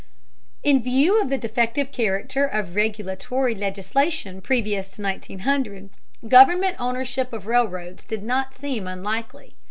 In view of the defective character of regulatory legislation previous to 1900, government ownership of railroads did not seem unlikely.